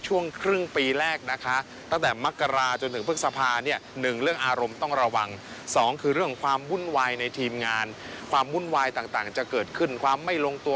วายต่างจะเกิดขึ้นความไม่ลงตัว